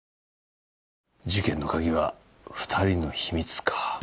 事件の鍵は２人の秘密か。